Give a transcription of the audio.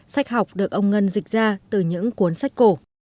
sách học được ông ngân dịch ra từ những cuốn sách cổ